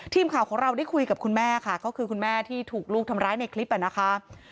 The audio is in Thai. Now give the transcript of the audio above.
ทีมข่าวของเราได้คุยกับคุณแม่ค่ะก็คือคุณแม่ที่ถูกลูกทำร้ายในคลิปนะคะ